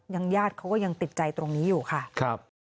ยังยาติเขาก็ยังติดใจตรงนี้อยู่ค่ะ